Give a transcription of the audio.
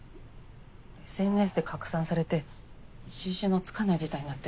ＳＮＳで拡散されて収拾のつかない事態になってる。